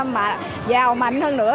mà giàu mạnh hơn nữa